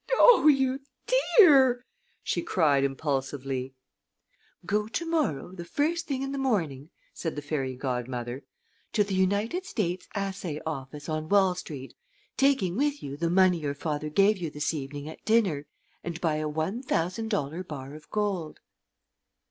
"Oh, you dear!" she cried, impulsively. "Go to morrow, the first thing in the morning," said the fairy godmother, "to the United States Assay Office on Wall Street, taking with you the money your father gave you this evening at dinner, and buy a one thousand dollar bar of gold."